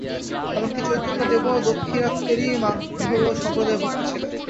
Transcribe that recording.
এমন কি চৈতন্যদেবও দাক্ষিণাত্যেরই মাধ্ব-সম্প্রদায়ভুক্ত ছিলেন।